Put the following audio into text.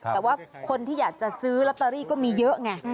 แต่ว่าคนที่อยากจะซื้อลอตเตอรี่ก็มีเยอะไง